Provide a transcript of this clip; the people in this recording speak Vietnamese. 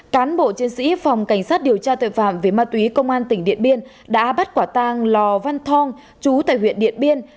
cán bộ chiến sĩ phòng cảnh sát điều tra tội phạm về ma túy công an tỉnh điện biên đã bắt quả tang lò văn thong chú tại huyện điện biên